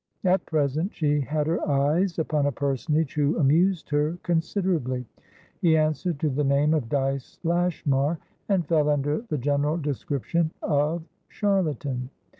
At present she had her eyes upon a personage who amused her considerably. He answered to the name of Dyce Lashmar, and fell under the general description of charlatan.